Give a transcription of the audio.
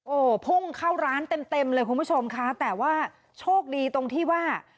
โอ้โหพุ่งเข้าร้านเต็มเต็มเลยคุณผู้ชมค่ะแต่ว่าโชคดีตรงที่ว่า